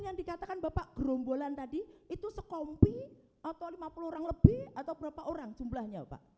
yang dikatakan bapak gerombolan tadi itu sekompi atau lima puluh orang lebih atau berapa orang jumlahnya pak